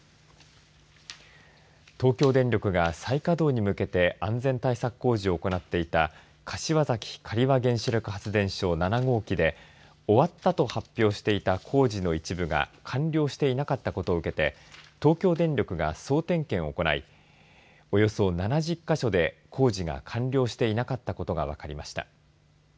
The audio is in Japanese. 東京電力が再稼働に向けて安全対策工事を行っていた柏崎刈羽原子力発電所７号機で終わったと発表していた工事の一部が完了していなかったことを受けて東京電力が総点検を行いおよそ７０か所で工事が完了していなかったことが分かりました。